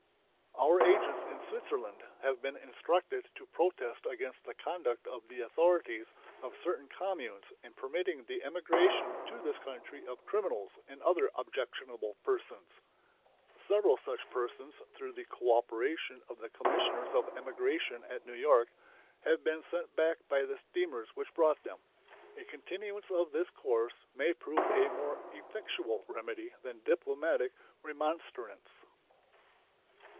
Our agents in Switzerland have been instructed to protest against the conduct of the authorities of certain communes in permitting the emigration to this country of criminals and other objectionable persons. Several such persons, through the cooperation of the commissioners of emigration at New York, have been sent back by the steamers which brought them. A continuance of this course may prove a more effectual remedy than diplomatic remonstrance.